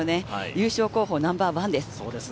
優勝候補ナンバーワンです。